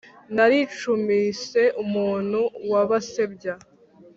Naricumise umuntu wa Basebya